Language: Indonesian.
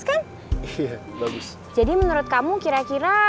dari tadi tuh nyariin kamu ternyata